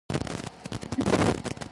He has won four Swedish Championships.